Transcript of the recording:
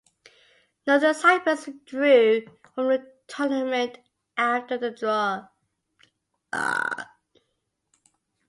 Northern Cyprus withdrew from the tournament after the draw.